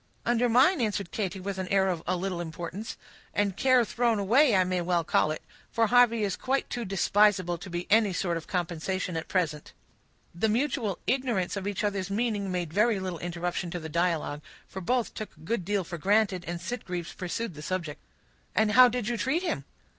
"Under mine," answered Katy, with an air of a little importance. "And care thrown away I may well call it; for Harvey is quite too despisable to be any sort of compensation at present." The mutual ignorance of each other's meaning made very little interruption to the dialogue, for both took a good deal for granted, and Sitgreaves pursued the subject. "And how did you treat him?"